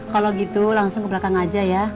kalau gitu langsung ke belakang aja ya